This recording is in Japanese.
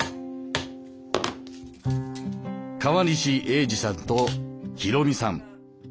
川西英治さんと仁美さん。